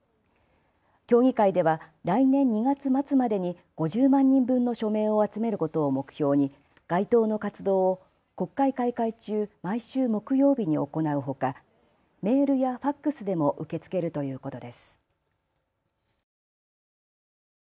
協議会では来年２月末までに５０万人分の署名を集めることを目標に街頭の活動を国会開会中、毎週木曜日に行うほかメールやファックスでも受け付けるということです。